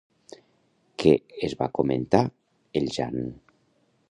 Què es va comentar el Jan?